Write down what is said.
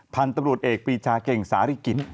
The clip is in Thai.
พันธุรกิจเอกปีชาเก่งสาริกิน